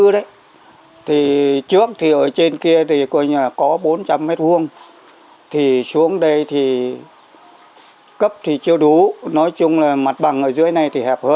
đất còn thiếu bằng tiền mặt hay là bằng đất đai